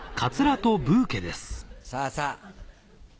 さぁさぁ。